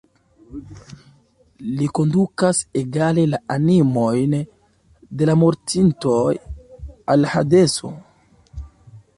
Li kondukas egale la animojn de la mortintoj al Hadeso.